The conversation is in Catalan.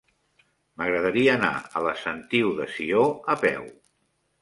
M'agradaria anar a la Sentiu de Sió a peu.